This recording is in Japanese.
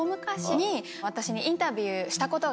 私に。